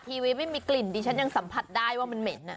ทีวีไม่มีกลิ่นดิฉันยังสัมผัสได้ว่ามันเหม็น